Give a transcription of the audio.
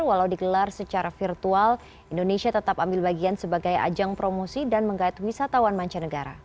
walau digelar secara virtual indonesia tetap ambil bagian sebagai ajang promosi dan menggait wisatawan mancanegara